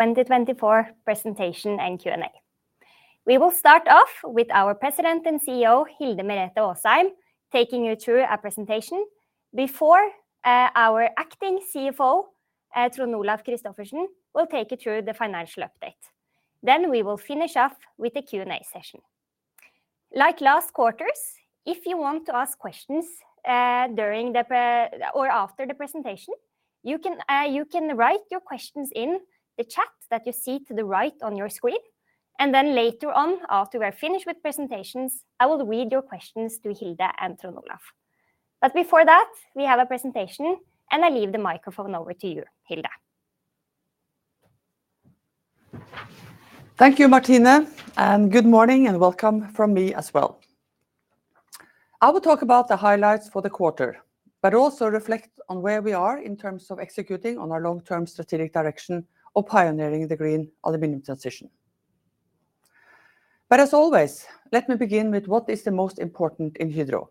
2024 presentation and Q&A. We will start off with our President and CEO, Hilde Merete Aasheim, taking you through our presentation before our acting CFO, Trond Olaf Christophersen, will take you through the financial update. Then we will finish off with a Q&A session. Like last quarters, if you want to ask questions during the pre- or after the presentation, you can write your questions in the chat that you see to the right on your screen, and then later on, after we're finished with presentations, I will read your questions to Hilde and Trond Olaf.But before that, we have a presentation, and I leave the microphone over to you, Hilde. Thank you, Martine, and good morning, and welcome from me as well. I will talk about the highlights for the quarter, but also reflect on where we are in terms of executing on our long-term strategic direction of pioneering the green aluminum transition. As always, let me begin with what is the most important in Hydro: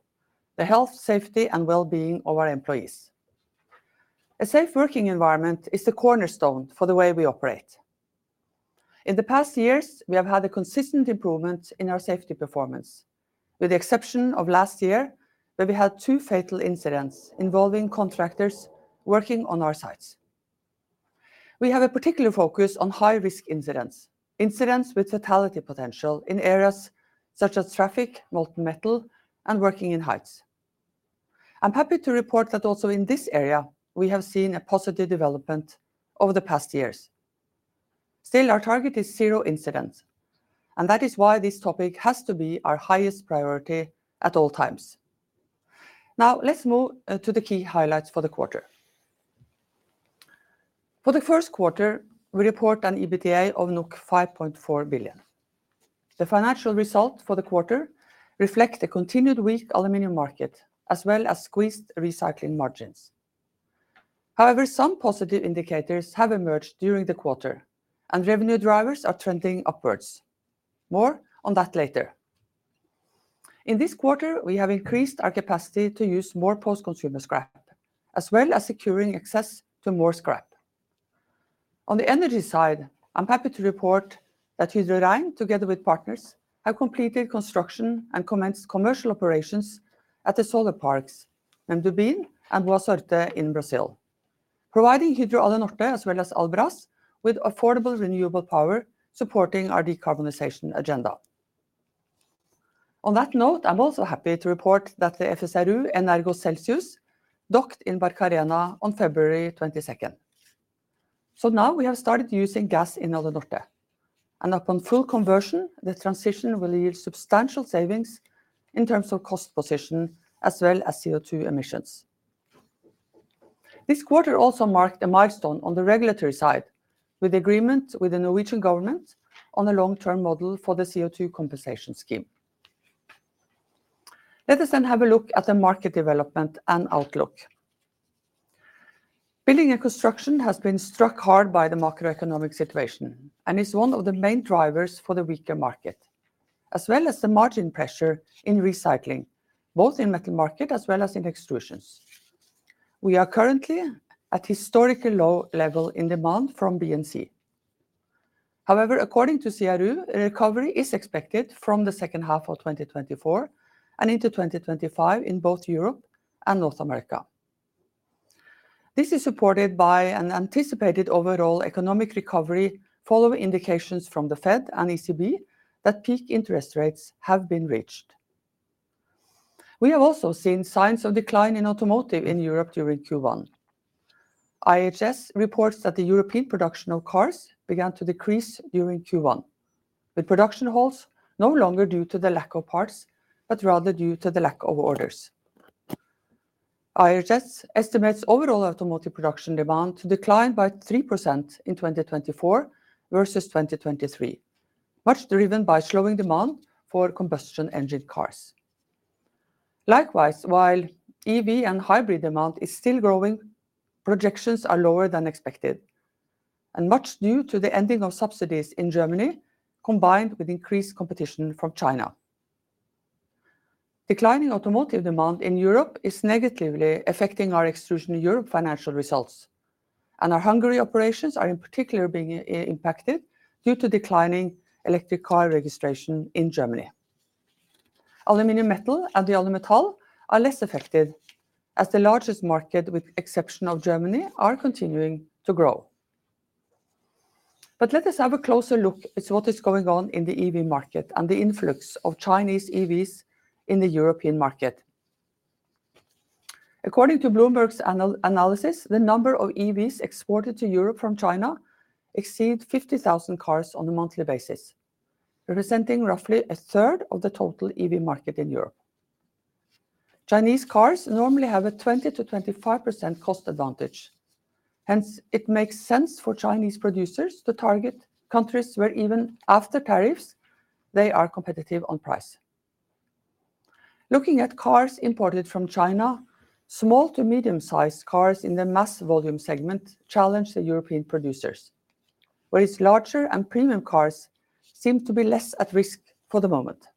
the health, safety, and wellbeing of our employees. A safe working environment is the cornerstone for the way we operate. In the past years, we have had a consistent improvement in our safety performance, with the exception of last year, where we had two fatal incidents involving contractors working on our sites. We have a particular focus on high-risk incidents, incidents with fatality potential in areas such as traffic, molten metal, and working in heights. I'm happy to report that also in this area, we have seen a positive development over the past years. Still, our target is zero incidents, and that is why this topic has to be our highest priority at all times. Now, let's move to the key highlights for the quarter. For the first quarter, we report an EBITDA of 5.4 billion. The financial result for the quarter reflect the continued weak aluminum market, as well as squeezed recycling margins. However, some positive indicators have emerged during the quarter, and revenue drivers are trending upwards. More on that later. In this quarter, we have increased our capacity to use more post-consumer scrap, as well as securing access to more scrap. On the energy side, I'm happy to report that Hydro Rein, together with partners, have completed construction and commenced commercial operations at the solar parks Mendubim and Boa Sorte in Brazil, providing Hydro Alunorte, as well as Albras, with affordable, renewable power, supporting our decarbonization agenda. On that note, I'm also happy to report that the FSRU Energos Celsius docked in Barcarena on February 22nd. So now we have started using gas in Alunorte, and upon full conversion, the transition will yield substantial savings in terms of cost position, as well as CO2 emissions. This quarter also marked a milestone on the regulatory side, with the agreement with the Norwegian government on the long-term model for the CO2 compensation scheme. Let us then have a look at the market development and outlook. Building and construction has been struck hard by the macroeconomic situation, and is one of the main drivers for the weaker market, as well as the margin pressure in recycling, both in metal market as well as in extrusions. We are currently at historically low level in demand from B&C. However, according to CRU, a recovery is expected from the second half of 2024 and into 2025 in both Europe and North America. This is supported by an anticipated overall economic recovery, following indications from the Fed and ECB that peak interest rates have been reached. We have also seen signs of decline in automotive in Europe during Q1. IHS reports that the European production of cars began to decrease during Q1, with production halts no longer due to the lack of parts, but rather due to the lack of orders. IHS estimates overall automotive production demand to decline by 3% in 2024 versus 2023, much driven by slowing demand for combustion-engined cars. Likewise, while EV and hybrid demand is still growing, projections are lower than expected, and much due to the ending of subsidies in Germany, combined with increased competition from China. Declining automotive demand in Europe is negatively affecting our extrusion in Europe financial results, and our Hungary operations are in particular being impacted due to declining electric car registration in Germany. Aluminum metal and the Alumetal are less affected, as the largest market, with exception of Germany, are continuing to grow. But let us have a closer look at what is going on in the EV market and the influx of Chinese EVs in the European market. According to Bloomberg's analysis, the number of EVs exported to Europe from China exceed 50,000 cars on a monthly basis, representing roughly a third of the total EV market in Europe. Chinese cars normally have a 20%-25% cost advantage, hence it makes sense for Chinese producers to target countries where even after tariffs, they are competitive on price. Looking at cars imported from China, small to medium-sized cars in the mass volume segment challenge the European producers, whereas larger and premium cars seem to be less at risk for the moment.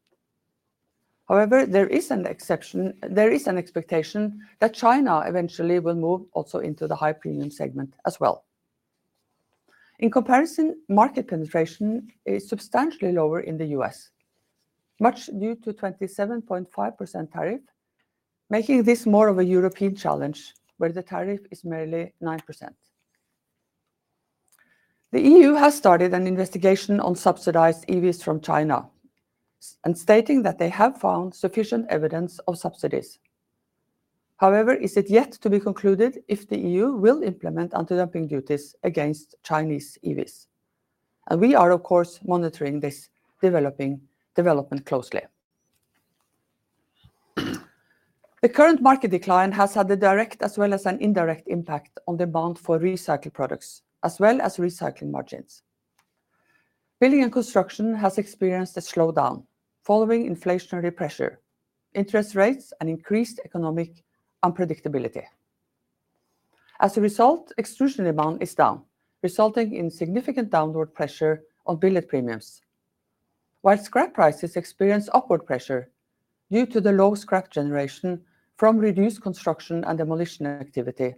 However, there is an exception. There is an expectation that China eventually will move also into the high premium segment as well. In comparison, market penetration is substantially lower in the U.S., much due to 27.5% tariff, making this more of a European challenge, where the tariff is merely 9%. The EU has started an investigation on subsidized EVs from China and stating that they have found sufficient evidence of subsidies. However, it is yet to be concluded if the EU will implement anti-dumping duties against Chinese EVs, and we are, of course, monitoring this development closely. The current market decline has had a direct as well as an indirect impact on demand for recycled products, as well as recycling margins. Building and construction has experienced a slowdown following inflationary pressure, interest rates, and increased economic unpredictability. As a result, extrusion demand is down, resulting in significant downward pressure on billet premiums. While scrap prices experience upward pressure due to the low scrap generation from reduced construction and demolition activity,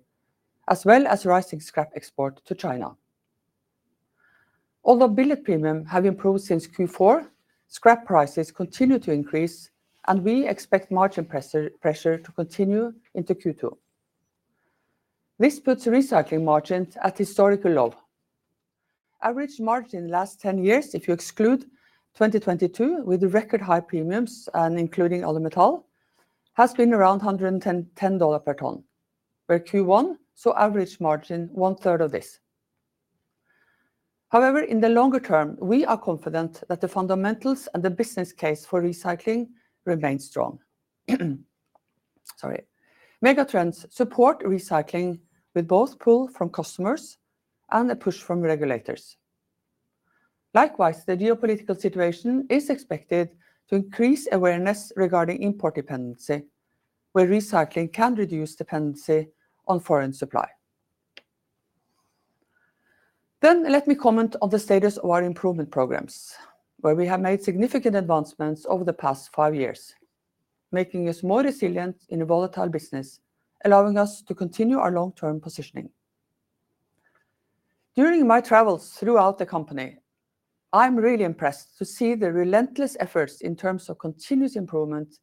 as well as rising scrap export to China.Although billet premium have improved since Q4, scrap prices continue to increase, and we expect margin pressure to continue into Q2. This puts recycling margins at historical low. Average margin in the last 10 years, if you exclude 2022, with record high premiums and including Alumetal, has been around $110 per ton, where Q1 saw average margin one third of this. However, in the longer term, we are confident that the fundamentals and the business case for recycling remain strong. Sorry. Megatrends support recycling with both pull from customers and a push from regulators. Likewise, the geopolitical situation is expected to increase awareness regarding import dependency, where recycling can reduce dependency on foreign supply. Then let me comment on the status of our improvement programs, where we have made significant advancements over the past five years, making us more resilient in a volatile business, allowing us to continue our long-term positioning. During my travels throughout the company, I'm really impressed to see the relentless efforts in terms of continuous improvement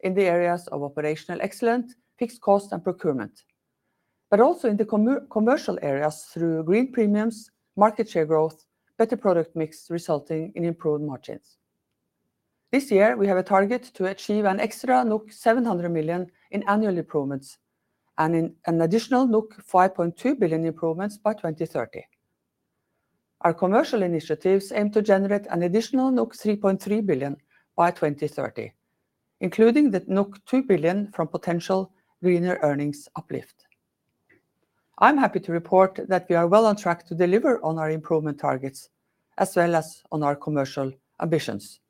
in the areas of operational excellence, fixed cost, and procurement, but also in the commercial areas through green premiums, market share growth, better product mix, resulting in improved margins. This year, we have a target to achieve an extra 700 million in annual improvements and in an additional 5.2 billion improvements by 2030. Our commercial initiatives aim to generate an additional 3.3 billion by 2030, including the 2 billion from potential greener earnings uplift. I'm happy to report that we are well on track to deliver on our improvement targets, as well as on our commercial ambitions.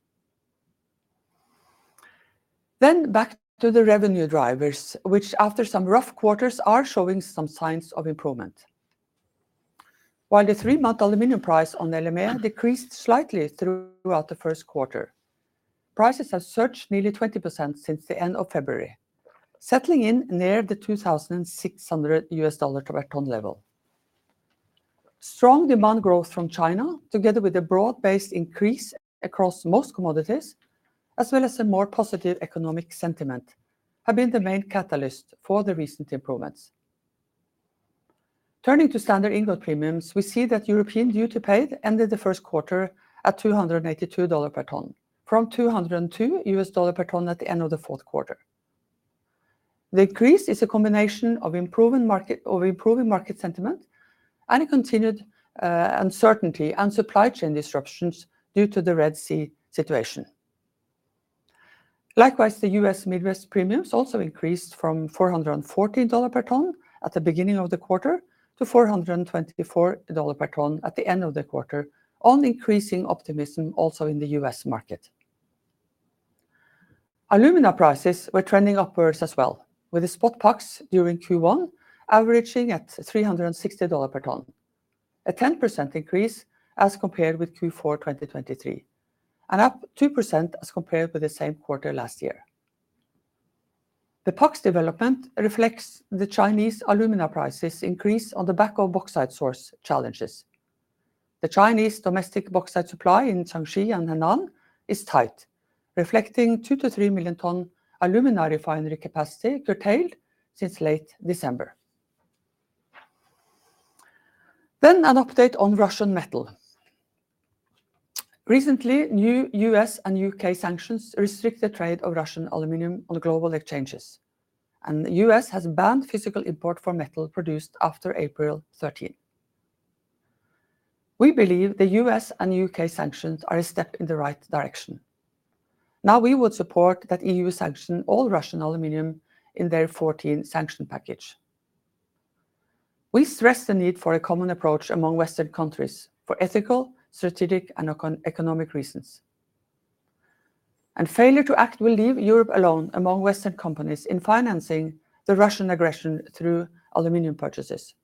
Back to the revenue drivers, which, after some rough quarters, are showing some signs of improvement. While the three-month aluminum price on LME decreased slightly throughout the first quarter, prices have surged nearly 20% since the end of February, settling in near the $2,600 per ton level. Strong demand growth from China, together with a broad-based increase across most commodities, as well as a more positive economic sentiment, have been the main catalyst for the recent improvements. Turning to standard ingot premiums, we see that European duty paid ended the first quarter at $282 per ton, from $202 per ton at the end of the fourth quarter. The increase is a combination of improving market, of improving market sentiment and a continued uncertainty and supply chain disruptions due to the Red Sea situation. Likewise, the US Midwest premiums also increased from $414 per ton at the beginning of the quarter to $424 per ton at the end of the quarter, on increasing optimism also in the US market. Alumina prices were trending upwards as well, with the spot PAX during Q1 averaging at $360 per ton, a 10% increase as compared with Q4 2023, and up 2% as compared with the same quarter last year. The PAX development reflects the Chinese alumina prices increase on the back of bauxite supply challenges. The Chinese domestic bauxite supply in Jiangxi and Henan is tight, reflecting 2-3 million ton alumina refinery capacity curtailed since late December. Then an update on Russian metal. Recently, new US and UK sanctions restrict the trade of Russian aluminum on global exchanges, and the U.S. has banned physical import for metal produced after April 13th. We believe the US and UK sanctions are a step in the right direction. Now, we would support that EU sanction all Russian aluminum in their 14 sanction package. We stress the need for a common approach among Western countries for ethical, strategic, and economic reasons. Failure to act will leave Europe alone among Western companies in financing the Russian aggression through aluminum purchases....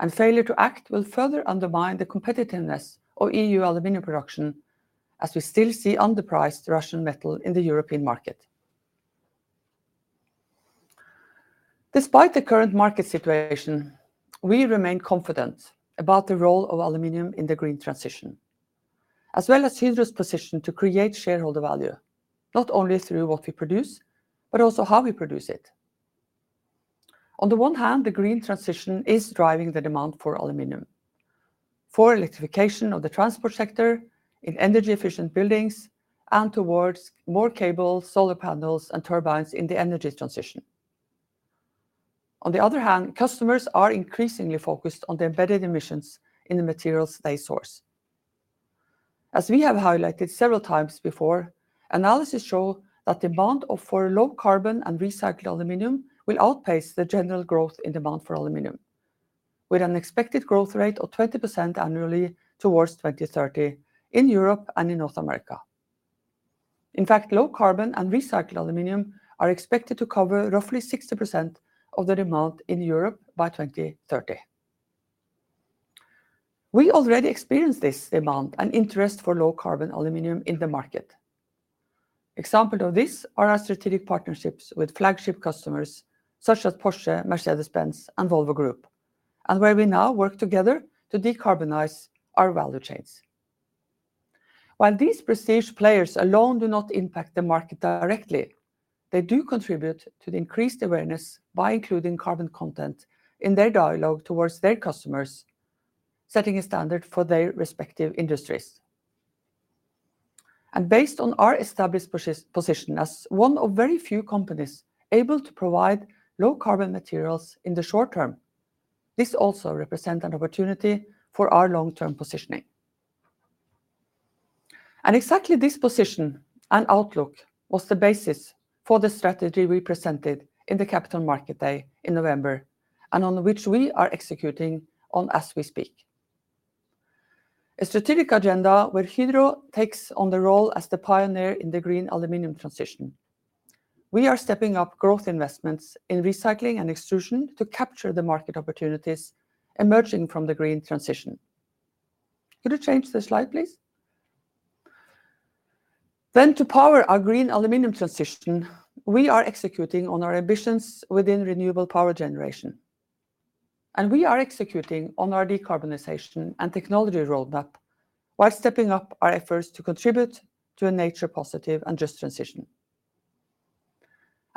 and failure to act will further undermine the competitiveness of EU aluminum production, as we still see underpriced Russian metal in the European market. Despite the current market situation, we remain confident about the role of aluminum in the green transition, as well as Hydro's position to create shareholder value, not only through what we produce, but also how we produce it. On the one hand, the green transition is driving the demand for aluminum, for electrification of the transport sector, in energy-efficient buildings, and towards more cable, solar panels, and turbines in the energy transition. On the other hand, customers are increasingly focused on the embedded emissions in the materials they source. As we have highlighted several times before, analysis show that demand for low-carbon and recycled aluminum will outpace the general growth in demand for aluminum, with an expected growth rate of 20% annually towards 2030 in Europe and in North America.In fact, low carbon and recycled aluminum are expected to cover roughly 60% of the demand in Europe by 2030. We already experienced this demand and interest for low carbon aluminum in the market. Example of this are our strategic partnerships with flagship customers such as Porsche, Mercedes-Benz, and Volvo Group, and where we now work together to decarbonize our value chains. While these prestige players alone do not impact the market directly, they do contribute to the increased awareness by including carbon content in their dialogue towards their customers, setting a standard for their respective industries. Based on our established position as one of very few companies able to provide low carbon materials in the short term, this also represent an opportunity for our long-term positioning. Exactly this position and outlook was the basis for the strategy we presented in the Capital Markets Day in November, and on which we are executing on as we speak. A strategic agenda where Hydro takes on the role as the pioneer in the green aluminum transition. We are stepping up growth investments in recycling and extrusion to capture the market opportunities emerging from the green transition. Could you change the slide, please? To power our green aluminum transition, we are executing on our ambitions within renewable power generation, and we are executing on our decarbonization and technology roadmap, while stepping up our efforts to contribute to a nature positive and just transition.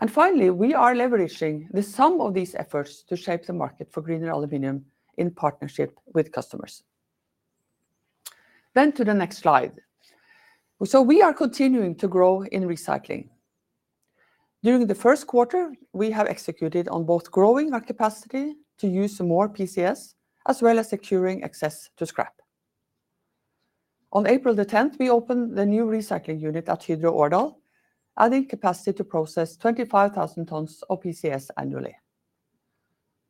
Finally, we are leveraging the sum of these efforts to shape the market for greener aluminum in partnership with customers. To the next slide. We are continuing to grow in recycling. During the first quarter, we have executed on both growing our capacity to use more PCS, as well as securing access to scrap. On April the tenth, we opened the new recycling unit at Hydro Årdal, adding capacity to process 25,000 tons of PCS annually.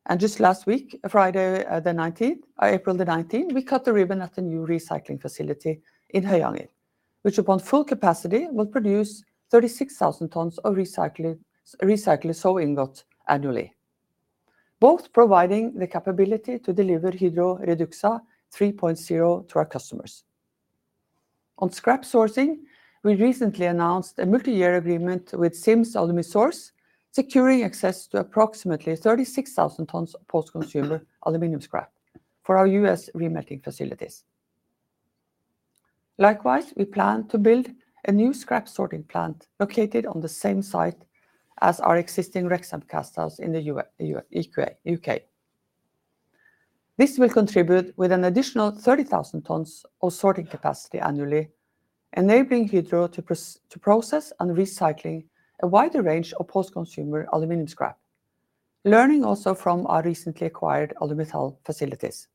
And just last week, Friday, the nineteenth, or April the 19th, we cut the ribbon at the new recycling facility in Høyanger, which upon full capacity, will produce 36,000 tons of recycled sow ingot annually, both providing the capability to deliver Hydro REDUXA 3.0 to our customers. On scrap sourcing, we recently announced a multi-year agreement with Sims Alumisource, securing access to approximately 36,000 tons of post-consumer aluminum scrap for our US remelting facilities. Likewise, we plan to build a new scrap sorting plant located on the same site as our existing Wrexham casthouse in the U.K. ,This will contribute with an additional 30,000 tons of sorting capacity annually, enabling Hydro to process and recycling a wider range of post-consumer aluminum scrap, learning also from our recently acquired Alumetal facilities.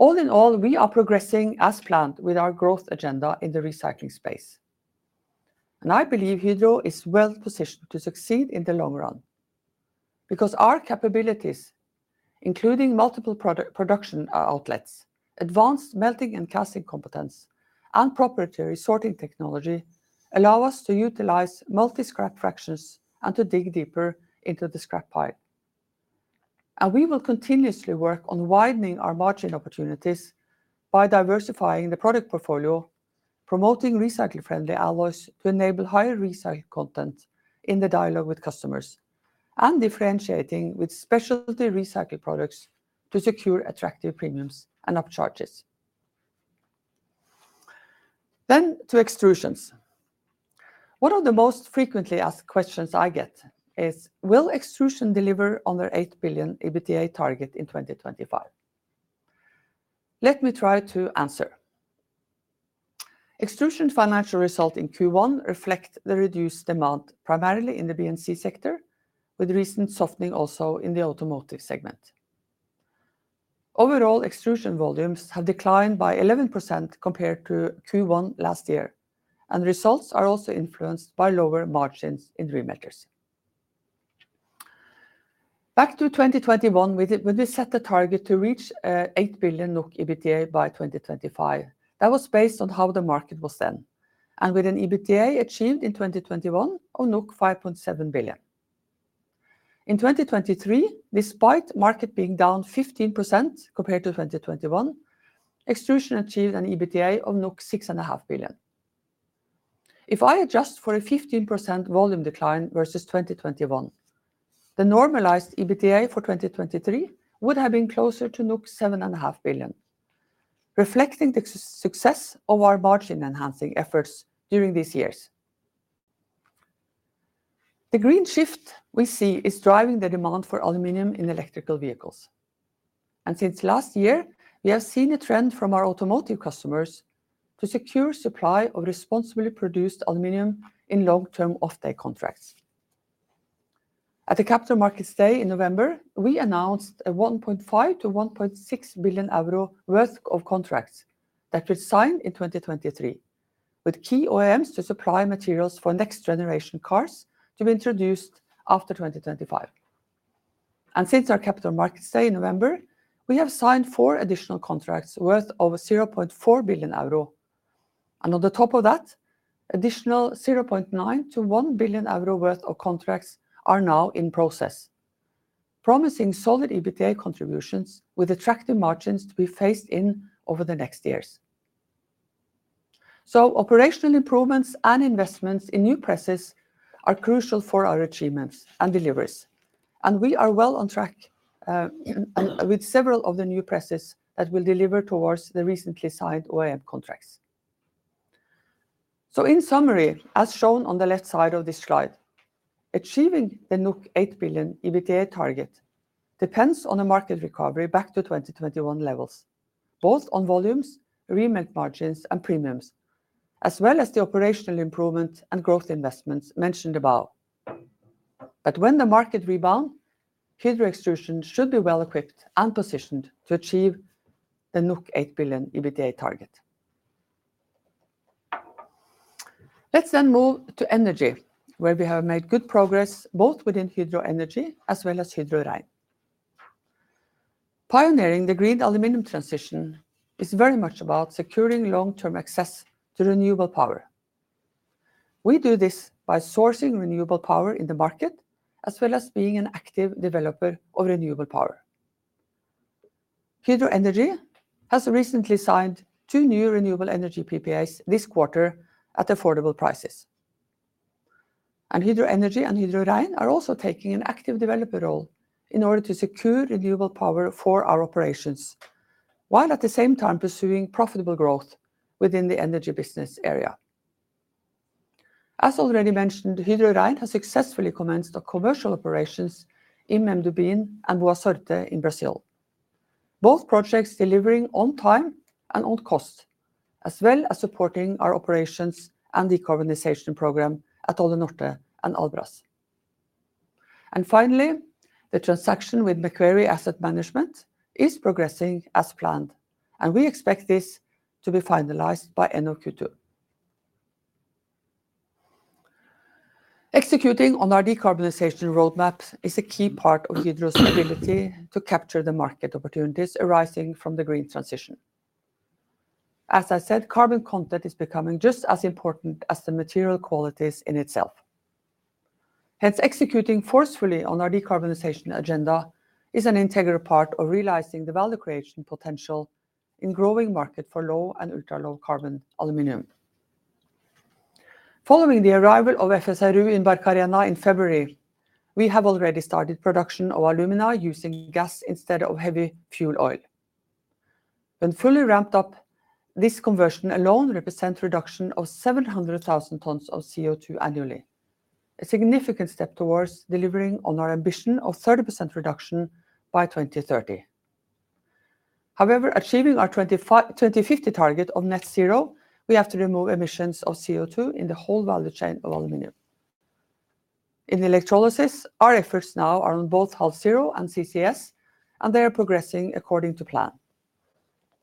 All in all, we are progressing as planned with our growth agenda in the recycling space, and I believe Hydro is well positioned to succeed in the long run. Because our capabilities, including multiple product production, outlets, advanced melting and casting competence, and proprietary sorting technology, allow us to utilize multi scrap fractions and to dig deeper into the scrap pile. We will continuously work on widening our margin opportunities by diversifying the product portfolio, promoting recycle-friendly alloys to enable higher recycle content in the dialogue with customers, and differentiating with specialty recycled products to secure attractive premiums and upcharges. To Extrusions. One of the most frequently asked questions I get is, "Will Extrusion deliver on their 8 billion EBITDA target in 2025?" Let me try to answer. Extrusion financial result in Q1 reflect the reduced demand, primarily in the B&C sector, with recent softening also in the automotive segment. Overall, extrusion volumes have declined by 11% compared to Q1 last year, and results are also influenced by lower margins in remelters. Back to 2021, we, when we set the target to reach, 8 billion NOK EBITDA by 2025, that was based on how the market was then...with an EBITDA achieved in 2021 of 5.7 billion. In 2023, despite market being down 15% compared to 2021, Extrusion achieved an EBITDA of 6.5 billion. If I adjust for a 15% volume decline versus 2021, the normalized EBITDA for 2023 would have been closer to 7.5 billion, reflecting the success of our margin-enhancing efforts during these years. The green shift we see is driving the demand for aluminum in electric vehicles, and since last year, we have seen a trend from our automotive customers to secure supply of responsibly produced aluminum in long-term offtake contracts.At the Capital Markets Day in November, we announced 1.5 billion-1.6 billion euro worth of contracts that were signed in 2023, with key OEMs to supply materials for next-generation cars to be introduced after 2025. Since our Capital Markets Day in November, we have signed four additional contracts worth over 0.4 billion euro. On the top of that, additional 0.9 billion-1 billion euro worth of contracts are now in process, promising solid EBITDA contributions with attractive margins to be phased in over the next years. So operational improvements and investments in new presses are crucial for our achievements and deliveries, and we are well on track, and with several of the new presses that will deliver towards the recently signed OEM contracts. In summary, as shown on the left side of this slide, achieving the 8 billion EBITDA target depends on a market recovery back to 2021 levels, both on volumes, remake margins, and premiums, as well as the operational improvement and growth investments mentioned above. But when the market rebound, Hydro Extrusion should be well-equipped and positioned to achieve the 8 billion EBITDA target. Let's then move to Energy, where we have made good progress, both within Hydro Energy as well as Hydro Rein. Pioneering the green aluminum transition is very much about securing long-term access to renewable power. We do this by sourcing renewable power in the market, as well as being an active developer of renewable power. Hydro Energy has recently signed two new renewable energy PPAs this quarter at affordable prices. And Hydro Energy and Hydro Rein are also taking an active developer role in order to secure renewable power for our operations, while at the same time pursuing profitable growth within the energy business area. As already mentioned, Hydro Rein has successfully commenced the commercial operations in Mendubim and Boa Sorte in Brazil. Both projects delivering on time and on cost, as well as supporting our operations and decarbonization program at Alunorte and Albras. And finally, the transaction with Macquarie Asset Management is progressing as planned, and we expect this to be finalized by end of Q2. Executing on our decarbonization roadmap is a key part of Hydro's ability to capture the market opportunities arising from the green transition. As I said, carbon content is becoming just as important as the material qualities in itself. Hence, executing forcefully on our decarbonization agenda is an integral part of realizing the value creation potential in growing market for low and ultra-low carbon aluminum. Following the arrival of FSRU in Barcarena in February, we have already started production of alumina using gas instead of heavy fuel oil. When fully ramped up, this conversion alone represents reduction of 700,000 tons of CO2 annually, a significant step towards delivering on our ambition of 30% reduction by 2030. However, achieving our 2050 target of net zero, we have to remove emissions of CO2 in the whole value chain of aluminum. In electrolysis, our efforts now are on both HalZero and CCS, and they are progressing according to plan.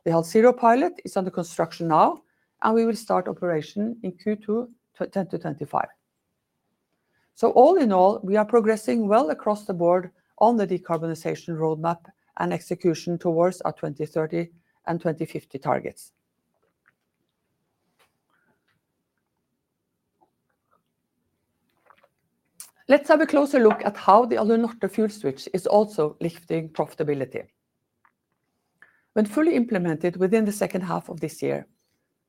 The HalZero pilot is under construction now, and we will start operation in Q2 2025.So all in all, we are progressing well across the board on the decarbonization roadmap and execution towards our 2030 and 2050 targets. Let's have a closer look at how the Alunorte fuel switch is also lifting profitability. When fully implemented within the second half of this year,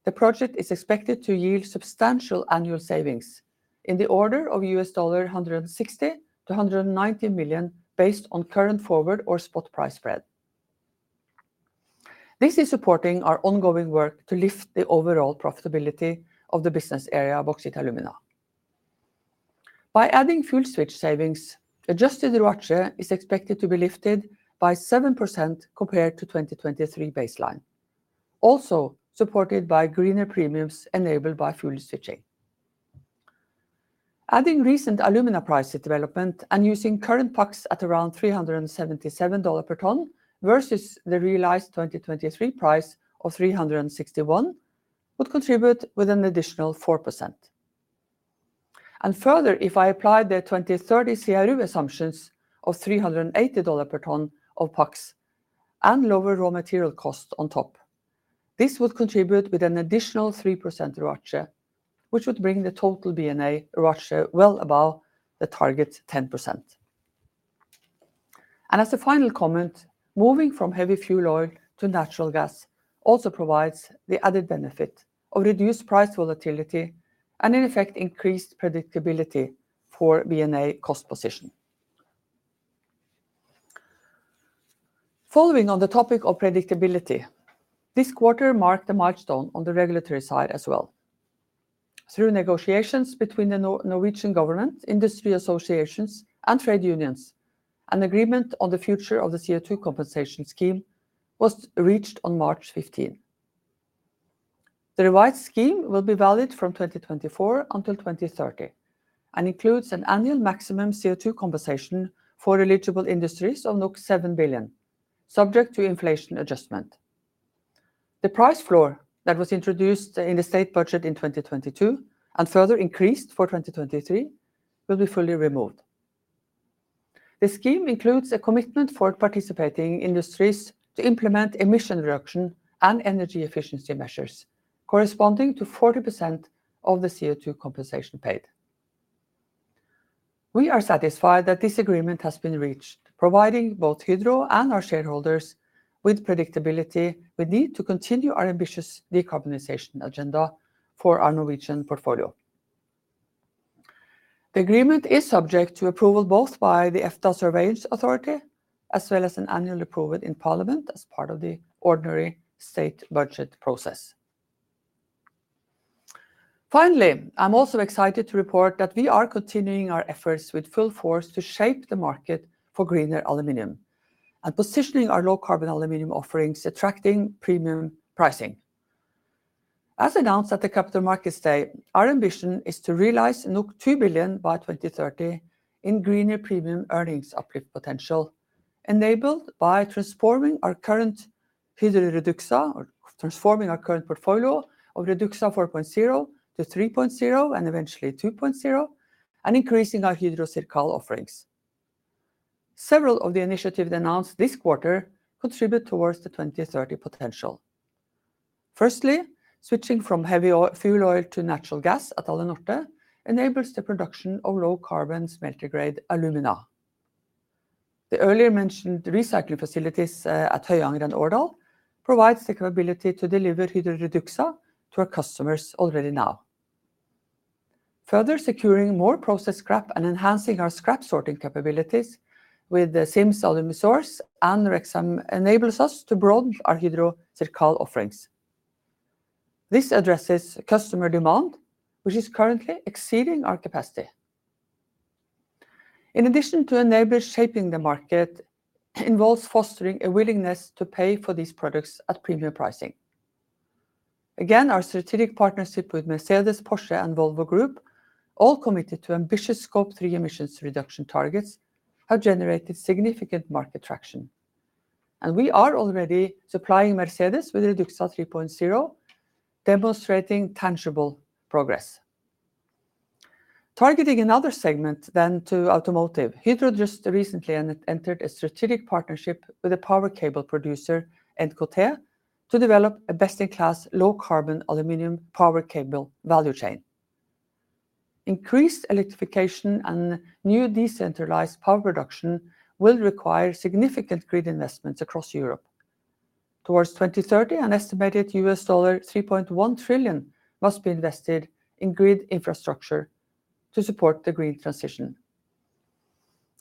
the project is expected to yield substantial annual savings in the order of $160 million-$190 million, based on current forward or spot price spread. This is supporting our ongoing work to lift the overall profitability of the business area, Bauxite & Alumina. By adding fuel switch savings, adjusted ROACE is expected to be lifted by 7% compared to 2023 baseline, also supported by greener premiums enabled by fuel switching. Adding recent alumina pricing development and using current PAX at around $377 per ton versus the realized 2023 price of $361, would contribute with an additional 4%.... Further, if I apply the 2030 CRU assumptions of $380 per ton of PAX and lower raw material costs on top, this would contribute with an additional 3% ROACE, which would bring the total B&A ROACE well above the target 10%. And as a final comment, moving from heavy fuel oil to natural gas also provides the added benefit of reduced price volatility, and in effect, increased predictability for B&A cost position. Following on the topic of predictability, this quarter marked a milestone on the regulatory side as well. Through negotiations between the Norwegian government, industry associations, and trade unions, an agreement on the future of the CO2 compensation scheme was reached on March 15. The revised scheme will be valid from 2024 until 2030, and includes an annual maximum CO2 compensation for eligible industries of 7 billion, subject to inflation adjustment. The price floor that was introduced in the state budget in 2022, and further increased for 2023, will be fully removed. The scheme includes a commitment for participating industries to implement emission reduction and energy efficiency measures corresponding to 40% of the CO2 compensation paid. We are satisfied that this agreement has been reached, providing both Hydro and our shareholders with predictability we need to continue our ambitious decarbonization agenda for our Norwegian portfolio. The agreement is subject to approval both by the EFTA Surveillance Authority, as well as an annual approval in Parliament as part of the ordinary state budget process. Finally, I'm also excited to report that we are continuing our efforts with full force to shape the market for greener aluminum, and positioning our low-carbon aluminum offerings, attracting premium pricing. As announced at the Capital Markets Day, our ambition is to realize 2 billion by 2030 in greener premium earnings uplift potential, enabled by transforming our current Hydro REDUXA or transforming our current portfolio of REDUXA 4.0-3.0, and eventually 2.0, and increasing our Hydro CIRCAL offerings. Several of the initiatives announced this quarter contribute towards the 2030 potential. Firstly, switching from heavy fuel oil to natural gas at Alunorte enables the production of low-carbon smelter grade alumina. The earlier mentioned recycling facilities at Høyanger and Årdal provides the capability to deliver Hydro REDUXA to our customers already now. Further securing more process scrap and enhancing our scrap sorting capabilities with the Sims Alumisource and Wrexham enables us to broaden our Hydro CIRCAL offerings. This addresses customer demand, which is currently exceeding our capacity. In addition to enable, shaping the market involves fostering a willingness to pay for these products at premium pricing. Again, our strategic partnership with Mercedes, Porsche, and Volvo Group, all committed to ambitious scope three emissions reduction targets, have generated significant market traction, and we are already supplying Mercedes with REDUXA 3.0, demonstrating tangible progress. Targeting another segment then to automotive, Hydro just recently entered a strategic partnership with a power cable producer, NKT, to develop a best-in-class, low-carbon aluminum power cable value chain. Increased electrification and new decentralized power production will require significant grid investments across Europe. Towards 2030, an estimated $3.1 trillion must be invested in grid infrastructure to support the grid transition.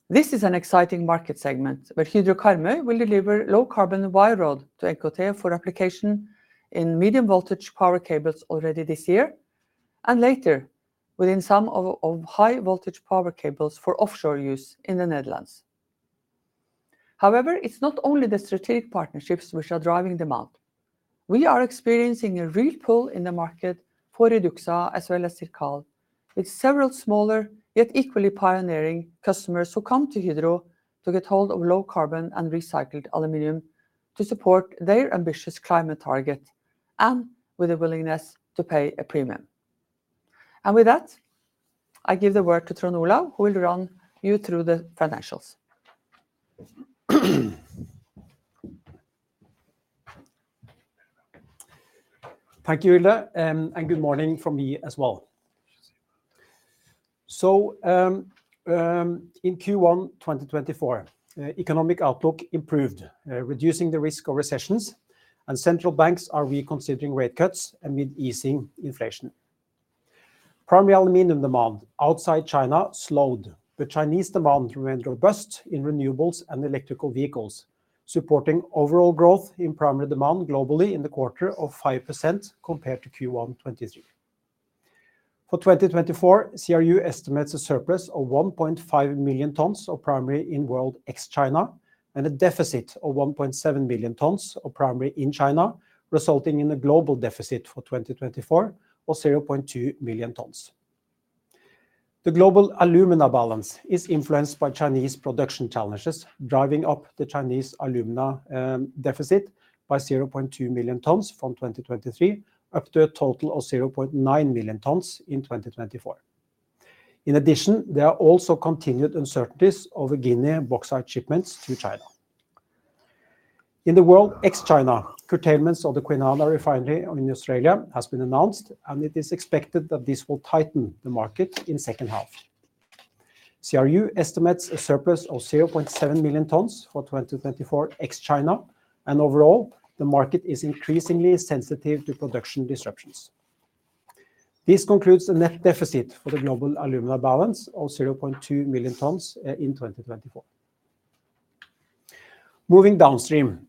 This is an exciting market segment, where Hydro Karmøy will deliver low-carbon wire rod to NKT for application in medium-voltage power cables already this year, and later, within some of high-voltage power cables for offshore use in the Netherlands. However, it's not only the strategic partnerships which are driving demand. We are experiencing a real pull in the market for REDUXA as well as CIRCAL, with several smaller, yet equally pioneering customers who come to Hydro to get hold of low carbon and recycled aluminum to support their ambitious climate target, and with a willingness to pay a premium. With that, I give the word to Trond Olaf, who will run you through the financials. Thank you, Hilde, and good morning from me as well. So, in Q1 2024, economic outlook improved, reducing the risk of recessions, and central banks are reconsidering rate cuts amid easing inflation. Primary aluminum demand outside China slowed, but Chinese demand remained robust in renewables and electric vehicles, supporting overall growth in primary demand globally in the quarter of 5% compared to Q1 2023. For 2024, CRU estimates a surplus of 1.5 million tons of primary in world ex-China, and a deficit of 1.7 million tons of primary in China, resulting in a global deficit for 2024 of 0.2 million tons. The global alumina balance is influenced by Chinese production challenges, driving up the Chinese alumina deficit by 0.2 million tons from 2023, up to a total of 0.9 million tons in 2024.... In addition, there are also continued uncertainties over Guinea bauxite shipments to China. In the world ex-China, curtailments of the Kwinana Refinery in Australia has been announced, and it is expected that this will tighten the market in second half. CRU estimates a surplus of 0.7 million tons for 2024 ex-China, and overall, the market is increasingly sensitive to production disruptions. This concludes a net deficit for the global alumina balance of 0.2 million tons in 2024. Moving downstream,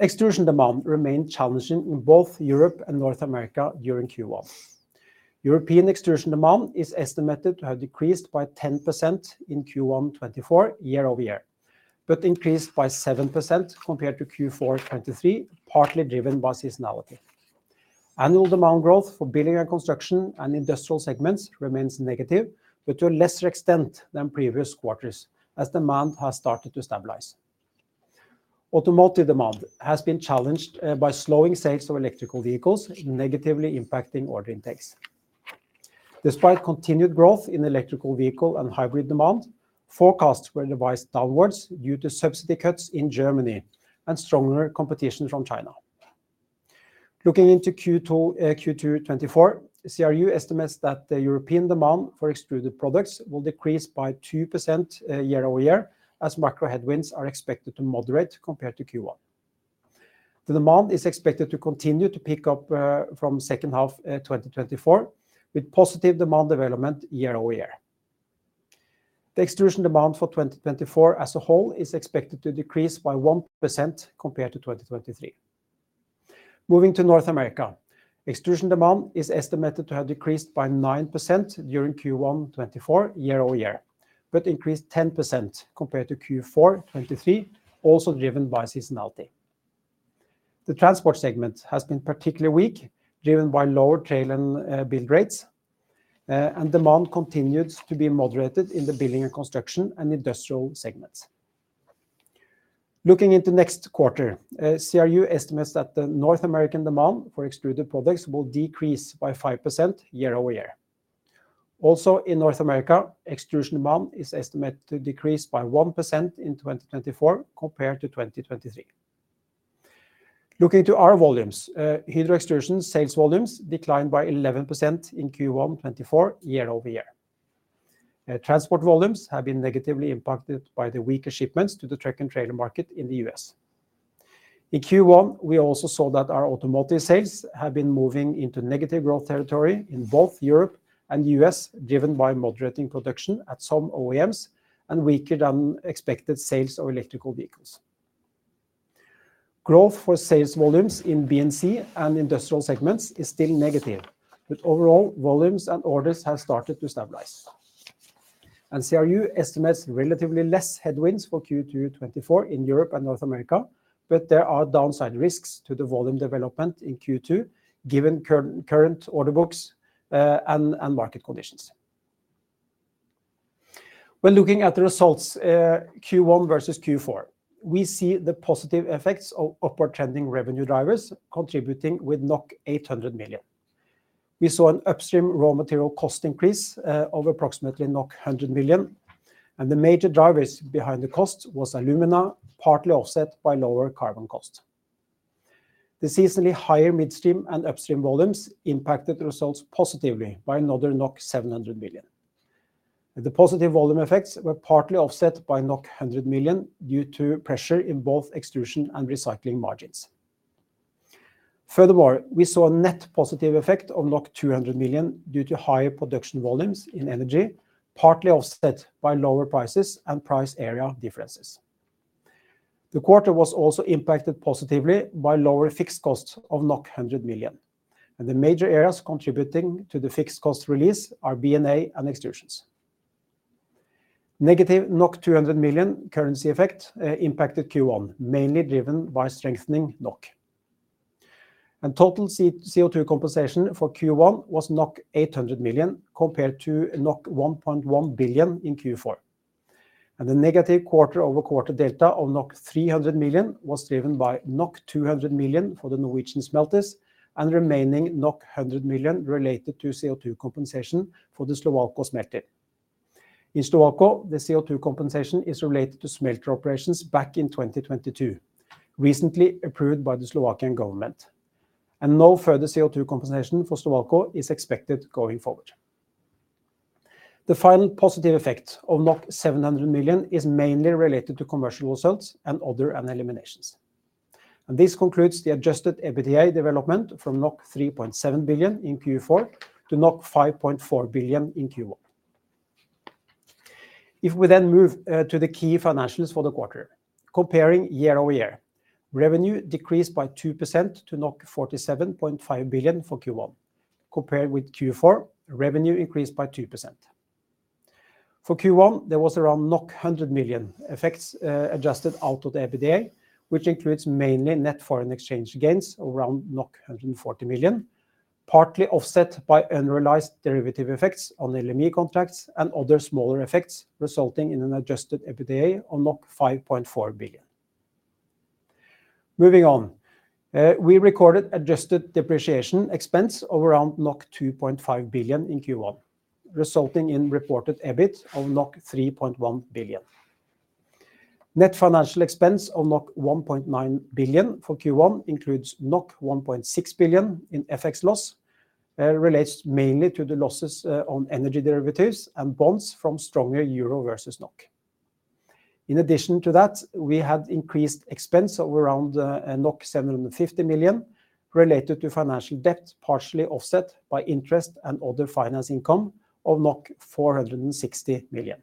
extrusion demand remained challenging in both Europe and North America during Q1.European extrusion demand is estimated to have decreased by 10% in Q1 2024 year-over-year, but increased by 7% compared to Q4 2023, partly driven by seasonality. Annual demand growth for building and construction and industrial segments remains negative, but to a lesser extent than previous quarters as demand has started to stabilize. Automotive demand has been challenged by slowing sales of electric vehicles, negatively impacting order intakes. Despite continued growth in electric vehicle and hybrid demand, forecasts were revised downwards due to subsidy cuts in Germany and stronger competition from China. Looking into Q2, Q2 2024, CRU estimates that the European demand for extruded products will decrease by 2%, year-over-year, as macro headwinds are expected to moderate compared to Q1. The demand is expected to continue to pick up from second half 2024, with positive demand development year-over-year. The extrusion demand for 2024 as a whole is expected to decrease by 1% compared to 2023. Moving to North America, extrusion demand is estimated to have decreased by 9% during Q1 2024 year-over-year, but increased 10% compared to Q4 2023, also driven by seasonality. The transport segment has been particularly weak, driven by lower trailer and build rates, and demand continues to be moderated in the building and construction and industrial segments. Looking into next quarter, CRU estimates that the North American demand for extruded products will decrease by 5% year-over-year. Also, in North America, extrusion demand is estimated to decrease by 1% in 2024 compared to 2023.Looking to our volumes, Hydro Extrusion sales volumes declined by 11% in Q1 2024 year-over-year. Transport volumes have been negatively impacted by the weaker shipments to the truck and trailer market in the U.S. In Q1, we also saw that our automotive sales have been moving into negative growth territory in both Europe and U.S., driven by moderating production at some OEMs and weaker than expected sales of electric vehicles. Growth for sales volumes in B&C and industrial segments is still negative, but overall, volumes and orders have started to stabilize. CRU estimates relatively less headwinds for Q2 2024 in Europe and North America, but there are downside risks to the volume development in Q2, given current order books, and market conditions. When looking at the results, Q1 versus Q4, we see the positive effects of upward trending revenue drivers contributing with 800 million. We saw an upstream raw material cost increase of approximately 100 million, and the major drivers behind the cost was alumina, partly offset by lower carbon cost. The seasonally higher midstream and upstream volumes impacted results positively by another 700 million. The positive volume effects were partly offset by 100 million due to pressure in both extrusion and recycling margins. Furthermore, we saw a net positive effect of 200 million due to higher production volumes in energy, partly offset by lower prices and price area differences. The quarter was also impacted positively by lower fixed costs of 100 million, and the major areas contributing to the fixed cost release are B&A and extrusion. Negative 200 million currency effect impacted Q1, mainly driven by strengthening NOK. Total CO2 compensation for Q1 was 800 million, compared to 1.1 billion in Q4. The negative quarter-over-quarter delta of 300 million was driven by 200 million for the Norwegian smelters and remaining 100 million related to CO2 compensation for the Slovalco smelter. In Slovalco, the CO2 compensation is related to smelter operations back in 2022, recently approved by the Slovakian government, and no further CO2 compensation for Slovalco is expected going forward. The final positive effect of 700 million is mainly related to commercial results and other and eliminations, and this concludes the adjusted EBITDA development from 3.7 billion in Q4 to 5.4 billion in Q1. If we then move to the key financials for the quarter, comparing year-over-year, revenue decreased by 2% to 47.5 billion for Q1. Compared with Q4, revenue increased by 2%. For Q1, there was around 100 million effects adjusted out of the EBITDA, which includes mainly net foreign exchange gains of around 140 million, partly offset by unrealized derivative effects on LME contracts and other smaller effects, resulting in an adjusted EBITDA of 5.4 billion. Moving on. We recorded adjusted depreciation expense of around 2.5 billion in Q1, resulting in reported EBIT of 3.1 billion. Net financial expense of 1.9 billion for Q1 includes 1.6 billion in FX loss, relates mainly to the losses on energy derivatives and bonds from stronger euro versus NOK. In addition to that, we had increased expense of around 750 million, related to financial debt, partially offset by interest and other finance income of NOK 460 million.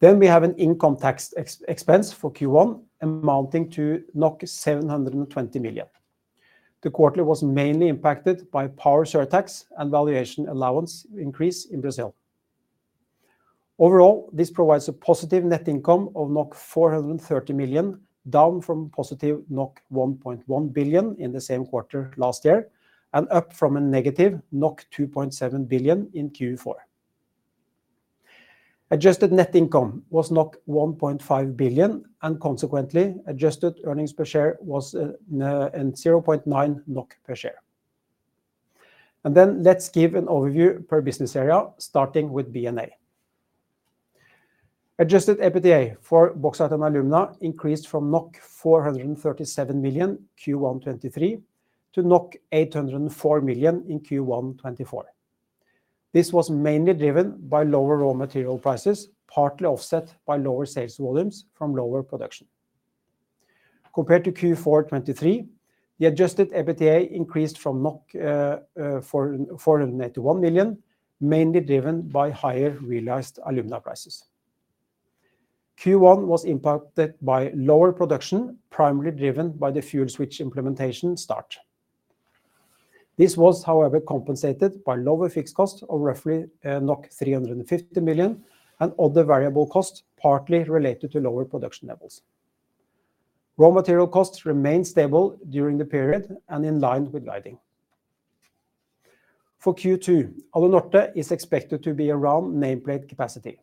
Then we have an income tax expense for Q1, amounting to 720 million. The quarterly was mainly impacted by power surtax and valuation allowance increase in Brazil. Overall, this provides a positive net income of 430 million, down from positive 1.1 billion in the same quarter last year, and up from a negative 2.7 billion in Q4.Adjusted net income was 1.5 billion, and consequently, adjusted earnings per share was 0.9 NOK per share. Then let's give an overview per business area, starting with B&A. Adjusted EBITDA for Bauxite and Alumina increased from 437 million, Q1 2023, to 804 million in Q1 2024. This was mainly driven by lower raw material prices, partly offset by lower sales volumes from lower production. Compared to Q4 2023, the adjusted EBITDA increased from 481 million, mainly driven by higher realized alumina prices. Q1 was impacted by lower production, primarily driven by the fuel switch implementation start. This was, however, compensated by lower fixed cost of roughly 350 million and other variable costs, partly related to lower production levels. Raw material costs remained stable during the period and in line with guidance. For Q2, Alunorte is expected to be around nameplate capacity.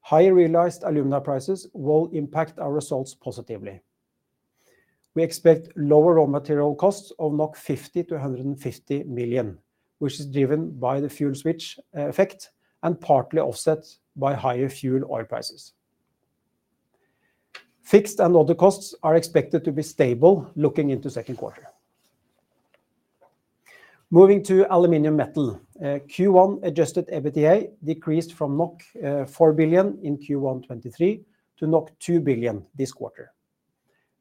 Higher realized alumina prices will impact our results positively. We expect lower raw material costs of 50 million- 150 million, which is driven by the fuel switch effect, and partly offset by higher fuel oil prices. Fixed and other costs are expected to be stable looking into second quarter. Moving to Aluminum Metal. Q1 adjusted EBITDA decreased from 4 billion in Q1 2023 to 2 billion this quarter.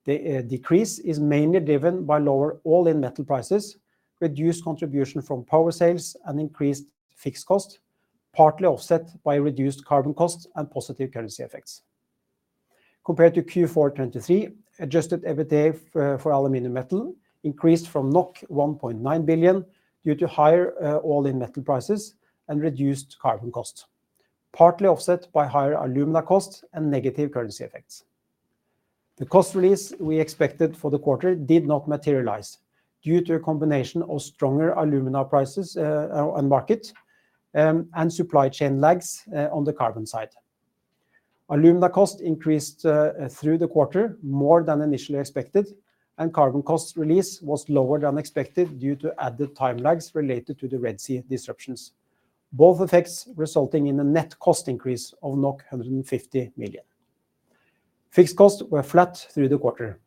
The decrease is mainly driven by lower all-in metal prices, reduced contribution from power sales, and increased fixed cost, partly offset by reduced carbon costs and positive currency effects. Compared to Q4 2023, adjusted EBITDA for Aluminum Metal increased from 1.9 billion, due to higher all-in metal prices and reduced carbon costs, partly offset by higher alumina costs and negative currency effects. The cost release we expected for the quarter did not materialize due to a combination of stronger alumina prices on market and supply chain lags on the carbon side. Alumina cost increased through the quarter more than initially expected, and carbon cost release was lower than expected due to added time lags related to the Red Sea disruptions. Both effects resulting in a net cost increase of 150 million. Fixed costs were flat through the quarter.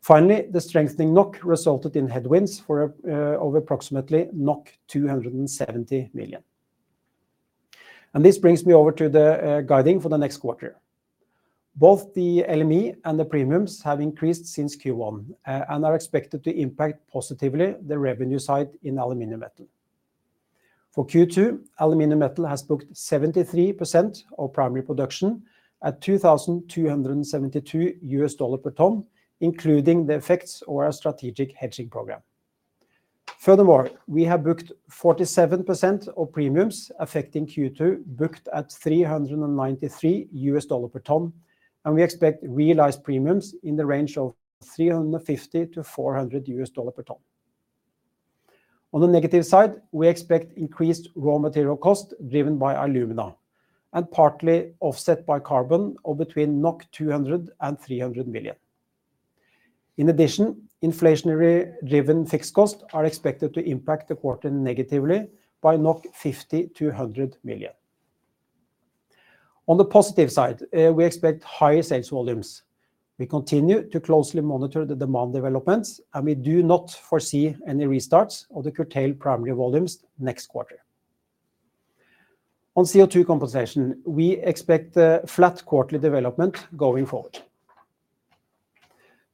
Finally, the strengthening NOK resulted in headwinds of approximately 270 million. And this brings me over to the guidance for the next quarter. Both the LME and the premiums have increased since Q1 and are expected to impact positively the revenue side in Aluminum Metal. For Q2, Aluminum Metal has booked 73% of primary production at $2,272 per ton, including the effects of our strategic hedging program. Furthermore, we have booked 47% of premiums affecting Q2, booked at $393 per ton, and we expect realized premiums in the range of $350-$400 per ton. On the negative side, we expect increased raw material cost, driven by alumina, and partly offset by carbon of between 200 and 300 million.In addition, inflationary-driven fixed costs are expected to impact the quarter negatively by 50 million-100 million. On the positive side, we expect higher sales volumes. We continue to closely monitor the demand developments, and we do not foresee any restarts of the curtailed primary volumes next quarter. On CO2 compensation, we expect a flat quarterly development going forward.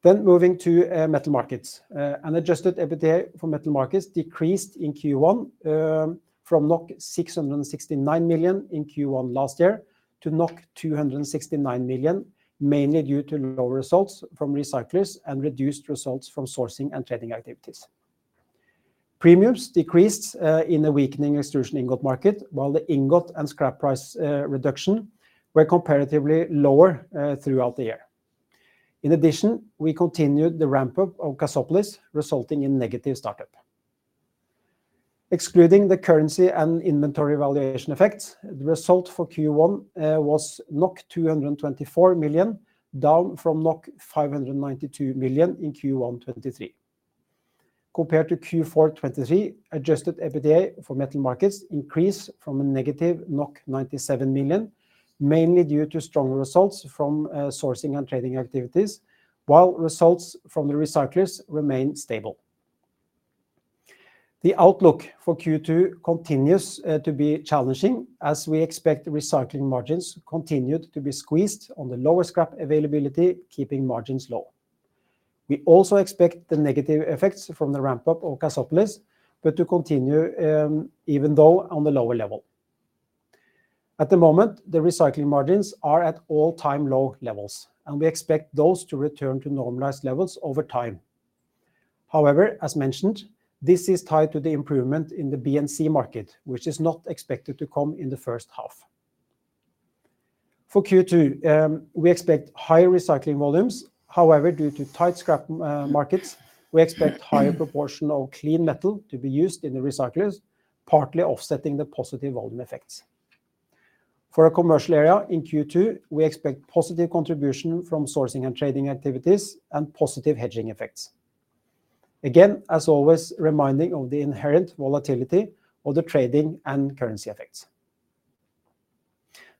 Then moving to metal markets. An adjusted EBITDA for metal markets decreased in Q1 from 669 million in Q1 last year to 269 million, mainly due to lower results from recyclers and reduced results from sourcing and trading activities. Premiums decreased in a weakening extrusion ingot market, while the ingot and scrap price reduction were comparatively lower throughout the year. In addition, we continued the ramp-up of Cassopolis, resulting in negative start-up. Excluding the currency and inventory valuation effects, the result for Q1 was 224 million, down from 592 million in Q1 2023. Compared to Q4 2023, adjusted EBITDA for metal markets increased from a negative 97 million, mainly due to strong results from sourcing and trading activities, while results from the recyclers remained stable. The outlook for Q2 continues to be challenging, as we expect recycling margins continued to be squeezed on the lower scrap availability, keeping margins low. We also expect the negative effects from the ramp-up of Cassopolis, but to continue, even though on the lower level. At the moment, the recycling margins are at all-time low levels, and we expect those to return to normalized levels over time. However, as mentioned, this is tied to the improvement in the B&C market, which is not expected to come in the first half. For Q2, we expect higher recycling volumes. However, due to tight scrap markets, we expect higher proportion of clean metal to be used in the recyclers, partly offsetting the positive volume effects. For our commercial area in Q2, we expect positive contribution from sourcing and trading activities and positive hedging effects. Again, as always, reminding of the inherent volatility of the trading and currency effects.